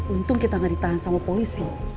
untung kita nggak ditahan sama polisi